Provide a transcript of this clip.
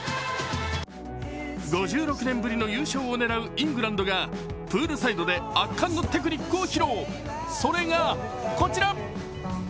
５６年ぶりの優勝を狙うイングランドがプールサイドで圧巻のテクニックを披露、それがこちら。